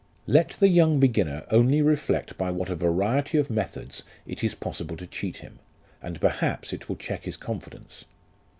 " Let the young beginner only reflect by what a variety of methods it is possible to cheat him, and perhaps it will check his confidence.